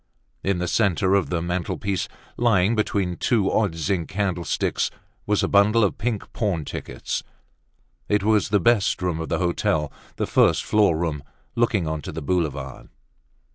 In the centre of the mantel piece, lying between two odd zinc candle sticks, was a bundle of pink pawn tickets. It was the best room of the hotel, the first floor room, looking on to the Boulevard.